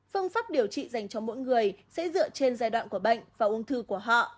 phương pháp điều trị dành cho mỗi người sẽ dựa trên giai đoạn của bệnh và ung thư của họ